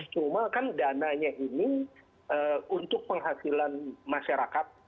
cuma kan dananya ini untuk penghasilan masyarakat